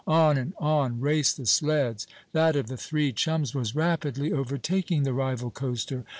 On and on raced the sleds. That of the three chums was rapidly overtaking the rival coaster.